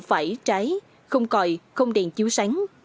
phải trái không còi không đèn chiếu sánh